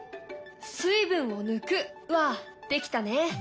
「水分を抜く」はできたね。